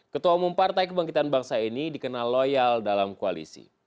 ketua umum partai kebangkitan bangsa ini dikenal loyal dalam koalisi